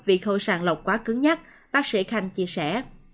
vì khôi sàn lọc quá cứng nhắc bác sĩ khanh chia sẻ